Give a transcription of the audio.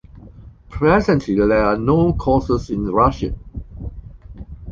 Presently there are no courses in Russian.